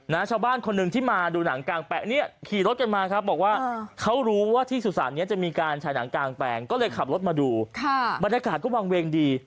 ชาวบ้านคนหนึ่งที่มาดูหนังกลางแปะเนี่ยขี่รถกันมาครับบอกว่าเขารู้ว่าที่สุสานเนี้ยจะมีการฉายหนังกลางแปลงก็เลยขับรถมาดูค่ะบรรยากาศก็วางเวงดี